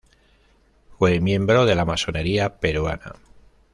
Fue miembro de la masonería peruana.